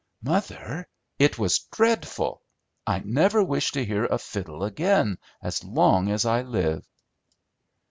"Mother, it was dreadful! I never wish to hear a fiddle again as long as I live."